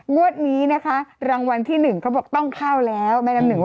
งวดนี้นะคะรางวัลที่หนึ่งก็บอกต้องเข้าแล้ว